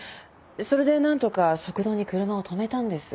それで何とか側道に車を止めたんです。